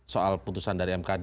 soal putusan dari mkd